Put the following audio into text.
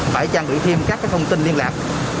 phải trang bị thêm các thông tin liên lạc